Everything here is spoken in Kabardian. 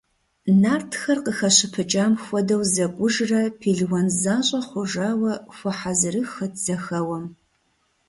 Нартхэр, къыхащыпыкӀам хуэдэу зэкӀужрэ пелуан защӀэ хъужауэ, хуэхьэзырыххэт зэхэуэм.